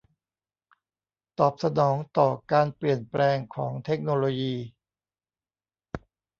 ตอบสนองต่อการเปลี่ยนแปลงของเทคโนโลยี